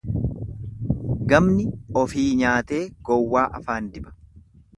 Gamni ofii nyaatee gowwaa afaan diba.